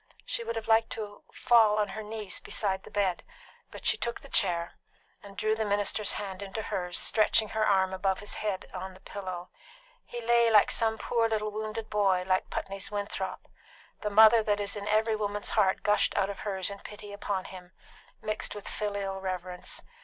She would have liked to fall on her knees beside the bed; but she took the chair, and drew the minister's hand into hers, stretching her arm above his head on the pillow. He lay like some poor little wounded boy, like Putney's Winthrop; the mother that is in every woman's heart gushed out of hers in pity upon him, mixed with filial reverence.